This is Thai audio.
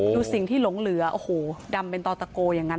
ดูสิ่งที่หลงเหลือโอ้โหดำเป็นต่อตะโกอย่างนั้น